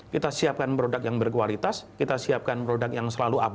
kita siapkan produk yang berkualitas kita siapkan produk yang selalu up